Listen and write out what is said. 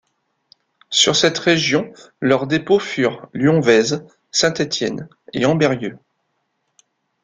Sur cette région leurs dépôts furent Lyon-Vaise, Saint-Étienne et Ambérieu.